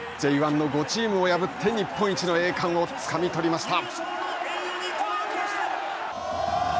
Ｊ１の５チームを破って日本一の栄冠をつかみ取りました。